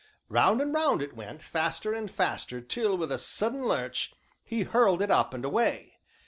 Round and round it went, faster and faster, till, with a sudden lurch, he hurled it up and away.